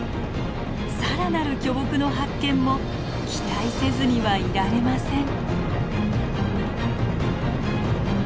さらなる巨木の発見も期待せずにはいられません。